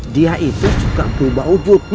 dia itu suka berubah ubud